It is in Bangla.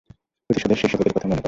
প্রতিশোধের সেই শপথের কথা মনে করো।